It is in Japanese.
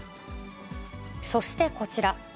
そしてこちら。